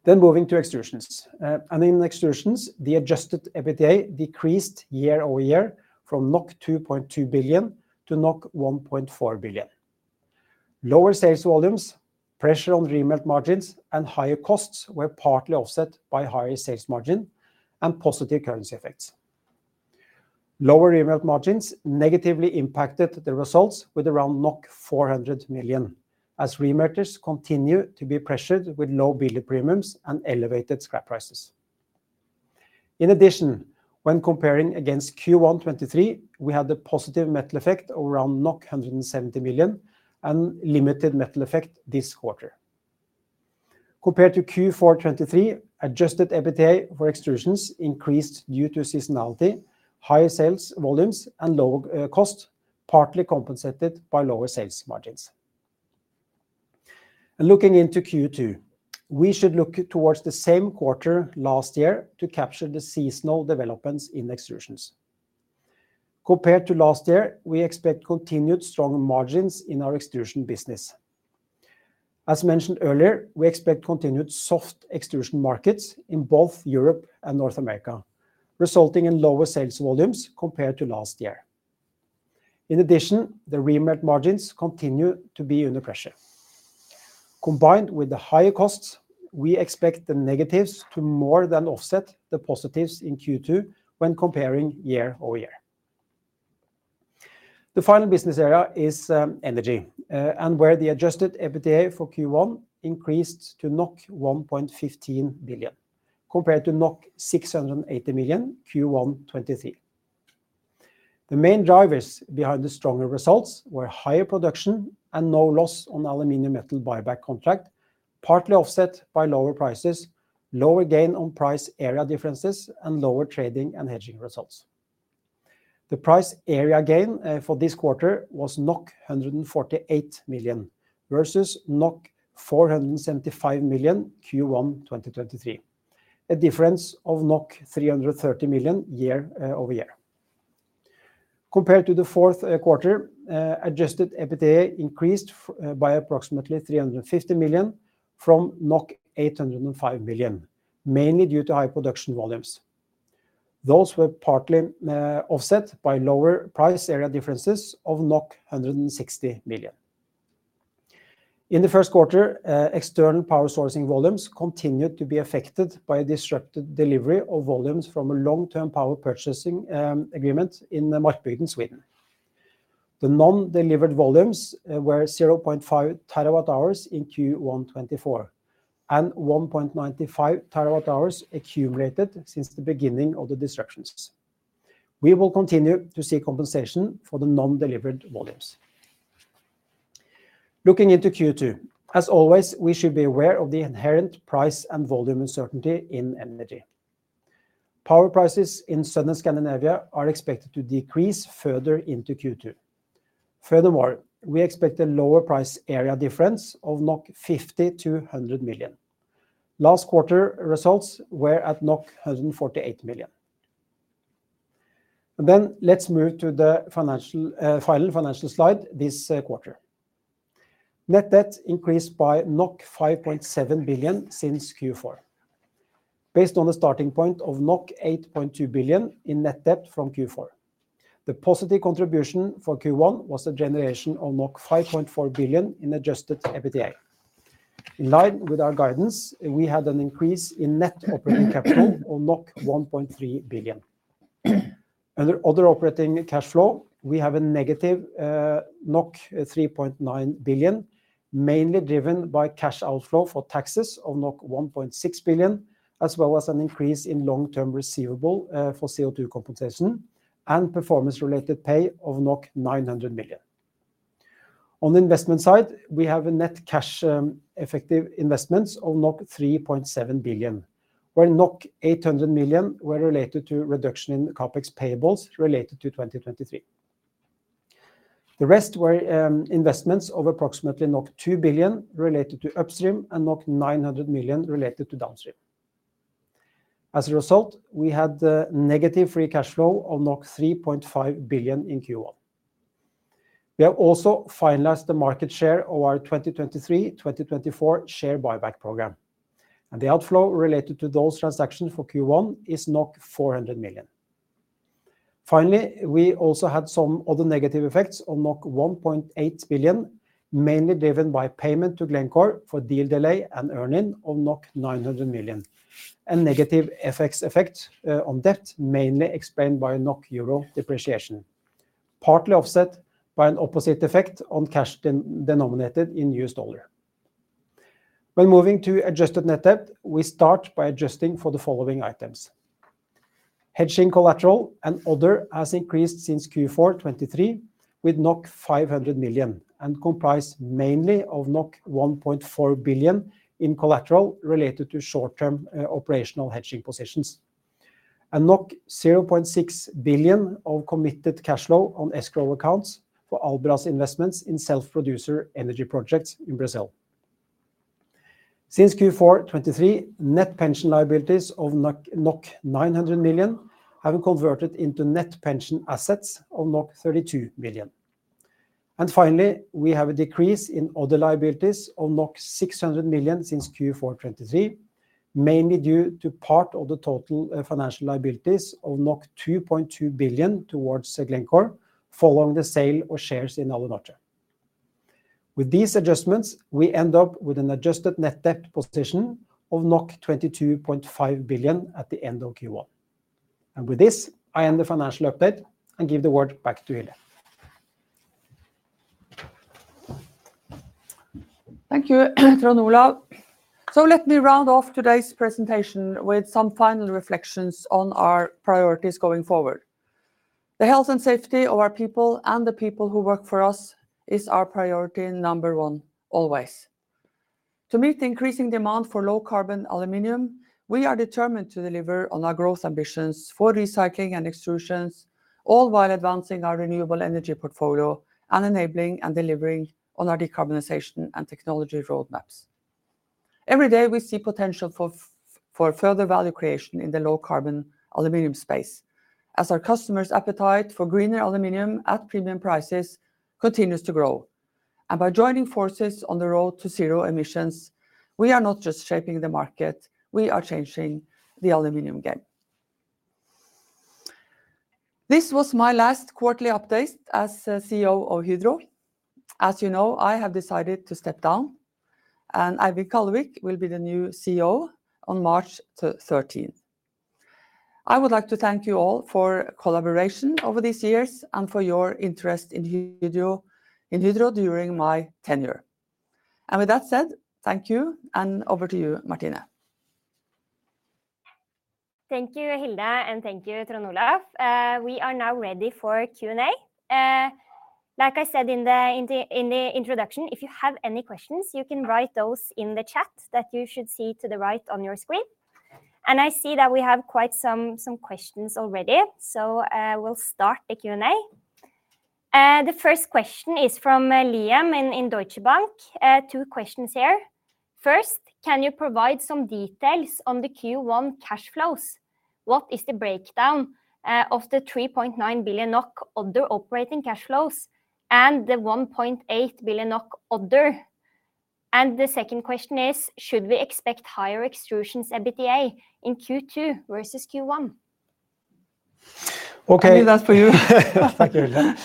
Then moving to Extrusions. And in Extrusions, the adjusted EBITDA decreased year-over-year from 2.2 billion-1.4 billion NOK. Lower sales volumes, pressure on remelt margins, and higher costs were partly offset by higher sales margin and positive currency effects. Lower remelt margins negatively impacted the results with around 400 million, as remelters continue to be pressured with low billet premiums and elevated scrap prices. In addition, when comparing against Q1 2023, we had a positive metal effect of around 170 million and limited metal effect this quarter. Compared to Q4 2023, adjusted EBITDA for Extrusions increased due to seasonality, higher sales volumes, and low cost, partly compensated by lower sales margins. Looking into Q2, we should look towards the same quarter last year to capture the seasonal developments in Extrusions. Compared to last year, we expect continued strong margins in our Extrusion business. As mentioned earlier, we expect continued soft extrusion markets in both Europe and North America, resulting in lower sales volumes compared to last year. In addition, the remelt margins continue to be under pressure. Combined with the higher costs, we expect the negatives to more than offset the positives in Q2 when comparing year-over-year. The final business area is Energy, and where the adjusted EBITDA for Q1 increased to 1.15 billion, compared to 680 million, Q1 2023. The main drivers behind the stronger results were higher production and no loss on aluminum metal buyback contract, partly offset by lower prices, lower gain on price area differences, and lower trading and hedging results. The price area gain, for this quarter was 148 million, versus 475 million, Q1 2023, a difference of 330 million year-over-year. Compared to the fourth quarter, adjusted EBITDA increased by approximately 350 million from 805 million, mainly due to high production volumes. Those were partly offset by lower price area differences of 160 million. In the first quarter, external power sourcing volumes continued to be affected by a disrupted delivery of volumes from a long-term power purchasing agreement in Markbygden, Sweden. The non-delivered volumes were 0.5 TWh in Q1 2024, and 1.95 TWh accumulated since the beginning of the disruptions. We will continue to seek compensation for the non-delivered volumes. Looking into Q2, as always, we should be aware of the inherent price and volume uncertainty in energy. Power prices in Southern Scandinavia are expected to decrease further into Q2. Furthermore, we expect a lower price area difference of 50 million-100 million. Last quarter results were at 148 million. Then let's move to the financial, final financial slide this quarter. Net debt increased by 5.7 billion since Q4. Based on the starting point of 8.2 billion in net debt from Q4, the positive contribution for Q1 was a generation of 5.4 billion in adjusted EBITDA. In line with our guidance, we had an increase in net operating capital on 1.3 billion. Under other operating cash flow, we have a negative 3.9 billion, mainly driven by cash outflow for taxes of 1.6 billion, as well as an increase in long-term receivable for CO2 compensation and performance-related pay of 900 million. On the investment side, we have a net cash effective investments of 3.7 billion, where 800 million were related to reduction in the CapEx payables related to 2023. The rest were investments of approximately 2 billion related to upstream and 900 million related to downstream. As a result, we had the negative free cash flow of 3.5 billion in Q1. We have also finalized the market share of our 2023, 2024 share buyback program, and the outflow related to those transactions for Q1 is 400 million. Finally, we also had some other negative effects on 1.8 billion, mainly driven by payment to Glencore for deal delay and earn-in of 900 million, and negative FX effect on debt, mainly explained by NOK euro depreciation, partly offset by an opposite effect on cash denominated in US dollar. When moving to adjusted net debt, we start by adjusting for the following items: hedging collateral and other has increased since Q4 2023, with 500 million, and comprise mainly of 1.4 billion in collateral related to short-term operational hedging positions, and 0.6 billion of committed cash flow on escrow accounts for Albras investments in self-producer energy projects in Brazil. Since Q4 2023, net pension liabilities of 900 million have converted into net pension assets of 32 billion. And finally, we have a decrease in other liabilities of 600 million since Q4 2023, mainly due to part of the total, financial liabilities of 2.2 billion towards Glencore, following the sale of shares in Alunorte. With these adjustments, we end up with an adjusted net debt position of 22.5 billion at the end of Q1. And with this, I end the financial update and give the word back to Hilde. Thank you, Trond Olaf. Let me round off today's presentation with some final reflections on our priorities going forward. The health and safety of our people and the people who work for us is our priority number one, always. To meet the increasing demand for low-carbon aluminum, we are determined to deliver on our growth ambitions for recycling and extrusions, all while advancing our renewable energy portfolio and enabling and delivering on our decarbonization and technology roadmaps. Every day, we see potential for for further value creation in the low-carbon aluminum space, as our customers' appetite for greener aluminum at premium prices continues to grow. And by joining forces on the road to zero emissions, we are not just shaping the market, we are changing the aluminum game. This was my last quarterly update as CEO of Hydro. As you know, I have decided to step down, and Eivind Kallevik will be the new CEO on March thirteenth. I would like to thank you all for collaboration over these years and for your interest in Hydro, in Hydro during my tenure. And with that said, thank you, and over to you, Martine. Thank you, Hilde, and thank you, Trond Olav. We are now ready for Q&A. Like I said in the introduction, if you have any questions, you can write those in the chat that you should see to the right on your screen. And I see that we have quite some questions already, so we'll start the Q&A. The first question is from Liam in Deutsche Bank. Two questions here. First, can you provide some details on the Q1 cash flows? What is the breakdown of the 3.9 billion NOK other operating cash flows and the 1.8 billion NOK other? And the second question is: Should we expect higher Extrusions EBITDA in Q2 versus Q1? Okay. I leave that for you. Thank you, Hilde.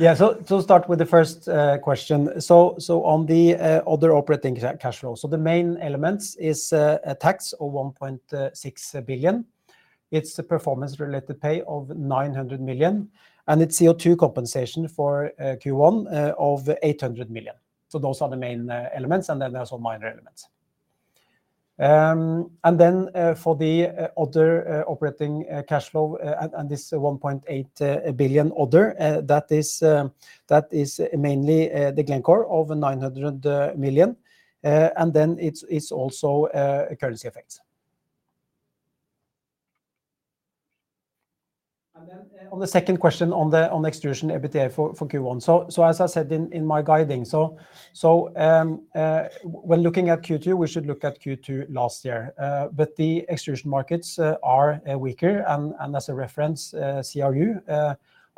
Yeah, so start with the first question. So on the other operating cash flows, so the main elements is a tax of 1.6 billion. It's the performance-related pay of 900 million, and it's CO2 compensation for Q1 of 800 million. So those are the main elements, and then there's some minor elements. And then for the other operating cash flow, and this 1.8 billion other, that is mainly the Glencore of 900 million, and then it's also currency effects. On the second question on the Extrusions EBITDA for Q1, as I said in my guidance, when looking at Q2, we should look at Q2 last year. But the extrusion markets are weaker, and as a reference, CRU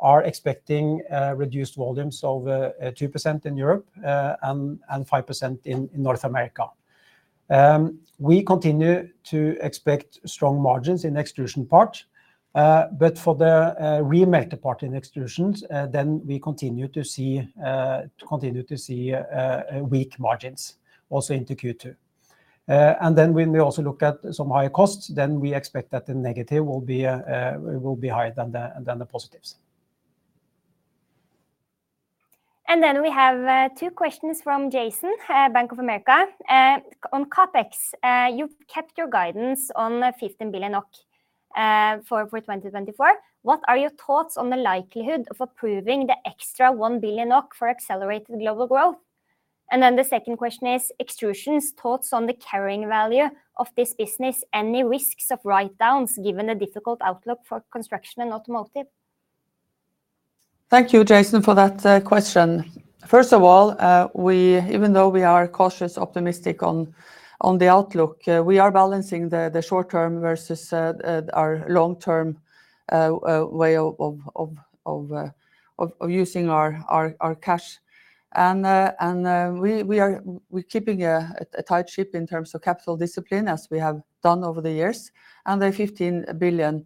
are expecting reduced volumes of 2% in Europe, and 5% in North America. We continue to expect strong margins in the extrusion part, but for the remelter part in extrusions, we continue to see weak margins also into Q2. And then when we also look at some higher costs, we expect that the negative will be higher than the positives. And then we have two questions from Jason, Bank of America. On CapEx, you've kept your guidance on 15 billion for 2024. What are your thoughts on the likelihood of approving the extra 1 billion NOK for accelerated global growth? Then the second question is, Extrusions thoughts on the carrying value of this business, any risks of write-downs, given the difficult outlook for construction and automotive? Thank you, Jason, for that question. First of all, even though we are cautious optimistic on the outlook, we are balancing the short term versus our long-term way of using our cash. And we are- we're keeping a tight ship in terms of capital discipline, as we have done over the years, and the 15 billion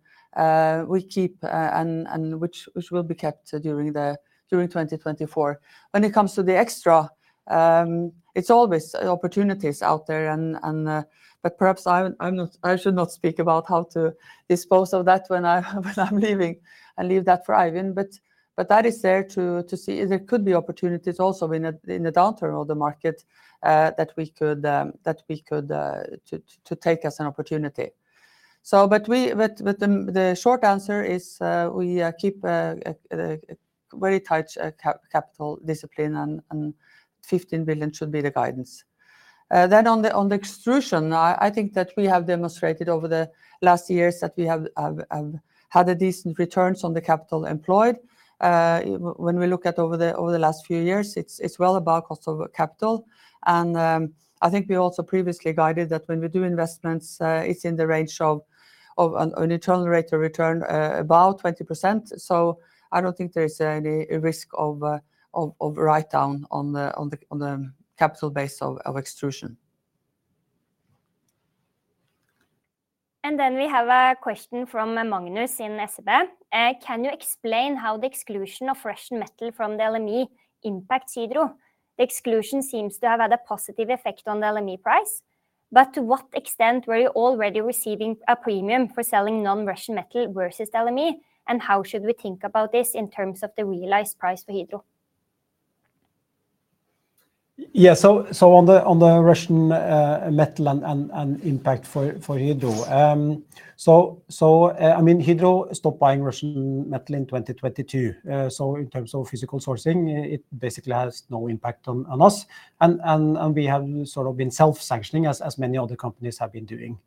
we keep, and which will be kept during 2024. When it comes to the extra, it's always opportunities out there and, but perhaps I should not speak about how to dispose of that when I'm leaving, I leave that for Eivind. But that is there to see. There could be opportunities also in the downturn of the market that we could take as an opportunity. But the short answer is, we keep a very tight capital discipline, and 15 billion should be the guidance. Then on the Extrusion, I think that we have demonstrated over the last years that we have had decent returns on the capital employed. When we look at over the last few years, it's well above cost of capital. And, I think we also previously guided that when we do investments, it's in the range of an internal rate of return about 20%.So I don't think there is any risk of write-down on the capital base of Extrusion. We have a question from Magnus in SV. Can you explain how the exclusion of Russian metal from the LME impacts Hydro? The exclusion seems to have had a positive effect on the LME price, but to what extent were you already receiving a premium for selling non-Russian metal versus the LME, and how should we think about this in terms of the realized price for Hydro? Yeah, so on the Russian metal and impact for Hydro. I mean, Hydro stopped buying Russian metal in 2022. So in terms of physical sourcing, it basically has no impact on us. And we have sort of been self-sanctioning, as many other companies have been doing.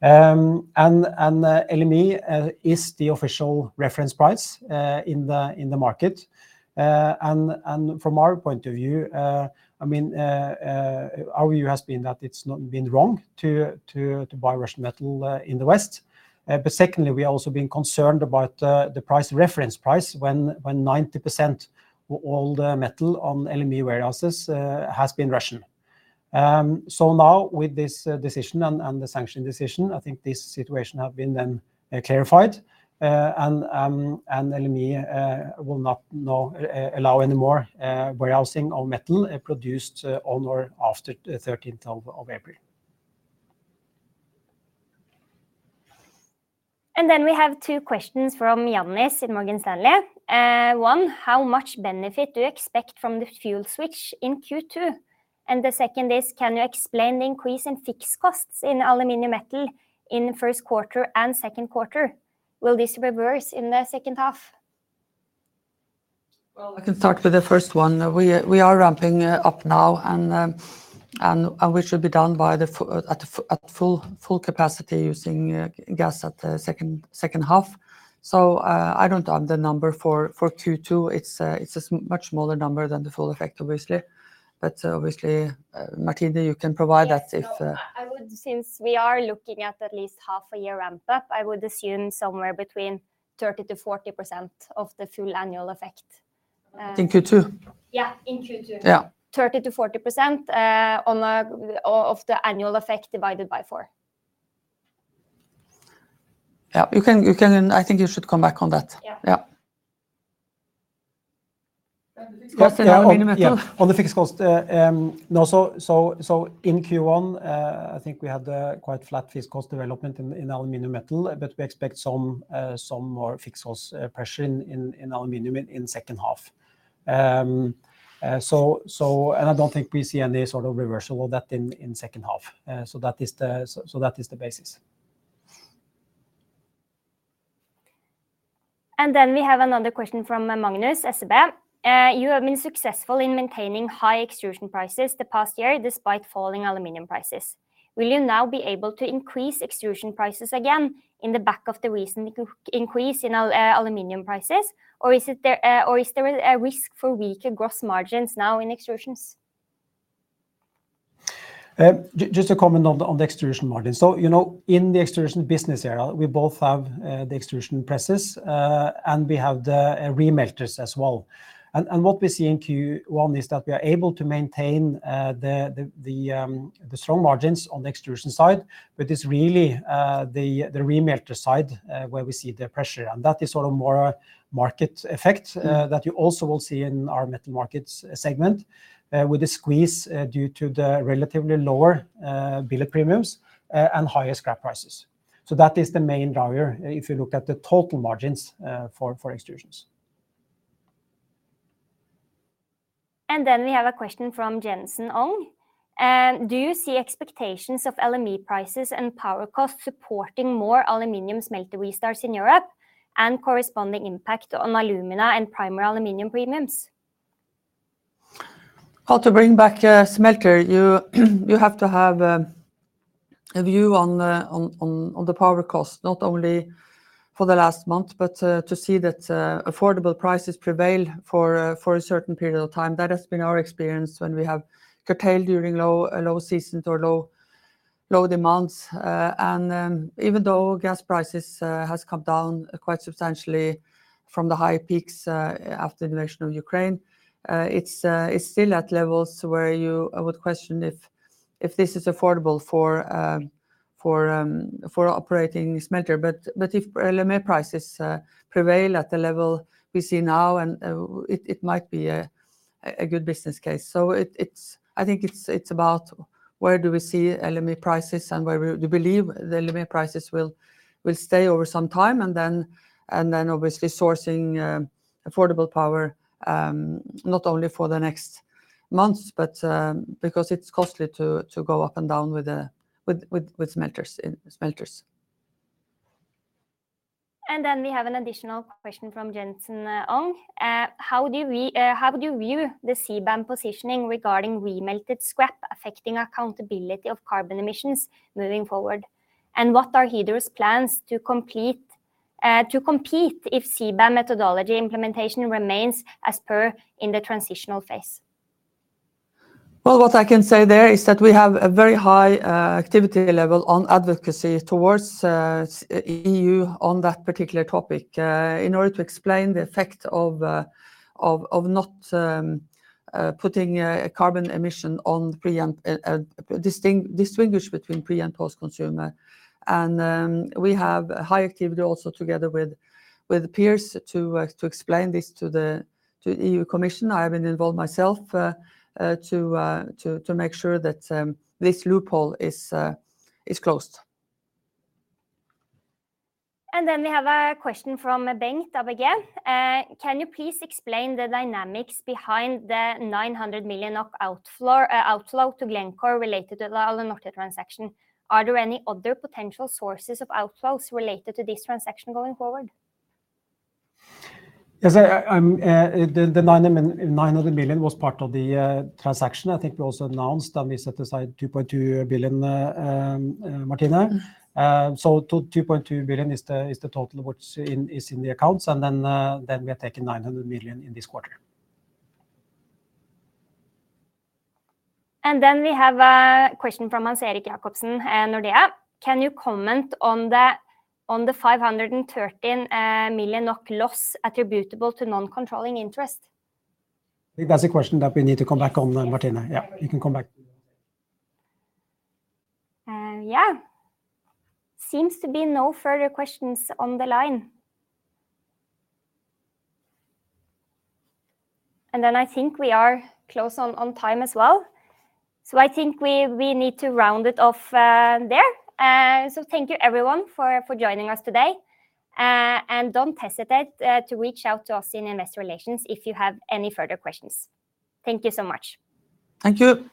And LME is the official reference price in the market. And from our point of view, I mean, our view has been that it's not been wrong to buy Russian metal in the West. But secondly, we have also been concerned about the price reference price when 90% of all the metal on LME warehouses has been Russian.So now with this decision and the sanction decision, I think this situation have been then clarified. And LME will not now allow any more warehousing of metal produced on or after the thirteenth of April. And then we have two questions from Ioannis in Morgan Stanley. One, how much benefit do you expect from the fuel switch in Q2? And the second is, can you explain the increase in fixed costs in aluminum metal in the first quarter and second quarter? Will this reverse in the second half? Well, I can start with the first one. We are ramping up now and we should be done at full capacity using gas at the second half. So, I don't have the number for Q2. It's a much smaller number than the full effect, obviously. But obviously, Martine, you can provide that if- Yes. So I would... Since we are looking at least half a year ramp-up, I would assume somewhere between 30%-40% of the full annual effect. In Q2? Yeah, in Q2. Yeah. 30%-40% of the annual effect divided by four. Yeah, you can, you can, I think you should come back on that. Yeah. Yeah. The fixed cost in aluminium metal? Yeah, on the fixed cost, no, so in Q1, I think we had a quite flat fixed cost development in aluminum metal, but we expect some more fixed cost pressure in aluminum in second half. So and I don't think we see any sort of reversal of that in second half. So that is the basis. Then we have another question from Magnus, SEB. You have been successful in maintaining high extrusion prices the past year, despite falling aluminum prices. Will you now be able to increase extrusion prices again in the back of the recent increase in aluminum prices, or is there a risk for weaker gross margins now in Extrusions? Just a comment on the extrusion margin. So, you know, in the extrusion business area, we both have the extrusion presses, and we have the remelters as well. And what we see in Q1 is that we are able to maintain the strong margins on the extrusion side, but it's really the remelter side where we see the pressure. And that is sort of more a market effect. Mm. That you also will see in our metal markets segment, with the squeeze, due to the relatively lower billet premiums, and higher scrap prices. So that is the main driver, if you look at the total margins, for extrusions. Then we have a question from Jensen Ong. And do you see expectations of LME prices and power costs supporting more aluminum smelter restarts in Europe and corresponding impact on alumina and primary aluminum premiums? How to bring back smelter? You have to have a view on the power cost, not only for the last month, but to see that affordable prices prevail for a certain period of time. That has been our experience when we have curtailed during low season or low demands. And even though gas prices has come down quite substantially from the high peaks after the invasion of Ukraine, it's still at levels where I would question if this is affordable for operating smelter. But if LME prices prevail at the level we see now, and it might be a good business case. So it's, I think it's about where we see LME prices and where we believe the LME prices will stay over some time, and then obviously sourcing affordable power, not only for the next months, but because it's costly to go up and down with the smelters in smelters. And then we have an additional question from Jensen Ong. How do you view the CBAM positioning regarding re-melted scrap affecting accountability of carbon emissions moving forward? And what are Hydro's plans to compete if CBAM methodology implementation remains as per in the transitional phase? Well, what I can say there is that we have a very high activity level on advocacy towards EU on that particular topic. In order to explain the effect of not putting a carbon emission on pre and distinguish between pre and post-consumer. We have high activity also together with peers to explain this to the EU Commission. I have been involved myself to make sure that this loophole is closed. Then we have a question from Bengt at ABG. Can you please explain the dynamics behind the 900 million NOK outflow to Glencore related to the Alunorte transaction? Are there any other potential sources of outflows related to this transaction going forward? Yes, the 900 million was part of the transaction. I think we also announced that we set aside 2.2 billion, Martine. So, 2.2 billion is the total what's in the accounts, and then we are taking 900 million in this quarter. We have a question from Hans Erik Jacobsen, and Nordea. Can you comment on the, on the 513 million NOK loss attributable to non-controlling interest? I think that's a question that we need to come back on then, Martine. Yeah, we can come back. Yeah. Seems to be no further questions on the line. And then I think we are close on time as well, so I think we need to round it off there. So thank you everyone for joining us today, and don't hesitate to reach out to us in Investor Relations if you have any further questions. Thank you so much. Thank you!